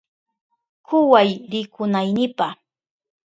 Kuway rikunaynipa.